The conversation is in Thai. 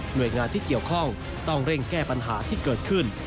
โดยงานที่เกี่ยวข้องต้องเร่งแก้ปัญหาที่เกิดขึ้น